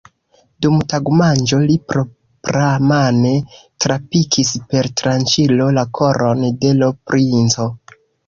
Dum tagmanĝo li propramane trapikis per tranĉilo la koron de l' princo!